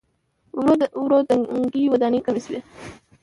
ورو ورو دنګې ودانۍ کمې شوې.